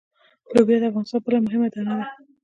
لوبیا د افغانستان بله مهمه دانه ده.